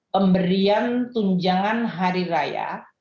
pemberian tunjangan hari raya